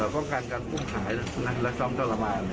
ป้องกันการอุ้มหายและซ้อมทรมาน